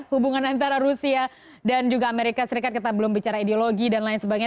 hubungan antara rusia dan juga amerika serikat kita belum bicara ideologi dan lain sebagainya